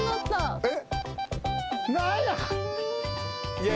えっ？